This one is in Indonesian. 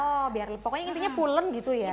oh biar pokoknya intinya pulen gitu ya